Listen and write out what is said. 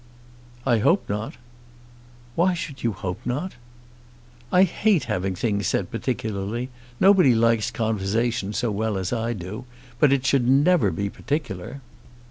"I hope not." "Why should you hope not?" "I hate having things said particularly. Nobody likes conversation so well as I do; but it should never be particular."